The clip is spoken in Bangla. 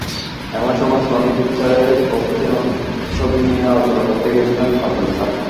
এমন সময়ই সনি পিকচার্সের অফিসে নতুন ছবি নিয়ে আলোচনা করতে গিয়েছিলেন পাদিলহা।